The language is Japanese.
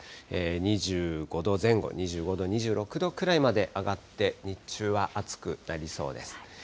２５度前後、２５度、２６度ぐらいまで上がって、日中は暑くなりそうです。